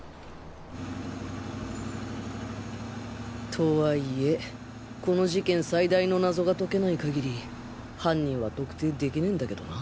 とはいえこの事件最大の謎が解けない限り犯人は特定できねぇんだけどな